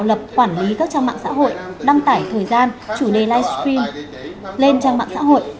lập quản lý các trang mạng xã hội đăng tải thời gian chủ đề livestream lên trang mạng xã hội